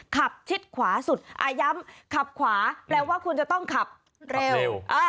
ชิดขวาสุดย้ำขับขวาแปลว่าคุณจะต้องขับเร็ว